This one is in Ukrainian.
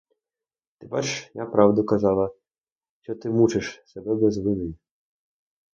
Ти бачиш, я правду казала, що ти мучиш себе без вини.